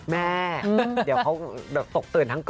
แม่เดี๋ยวเขาตกตื่นทั้งก่อน